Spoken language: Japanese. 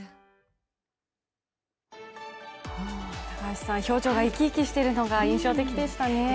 高橋さん、表情が生き生きとしているのが印象的でしたね。